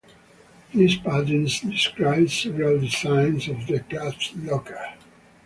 These patents describe several designs of the "clasp-locker".